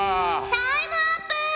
タイムアップ！